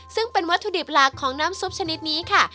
ซึ่งเป็นวัตถุดิบหลักของน้ำซุปชนิดนี้ค่ะ